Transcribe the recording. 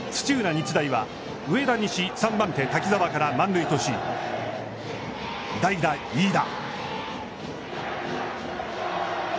日大は、上田西３番手、滝沢から満塁とし、代打飯田。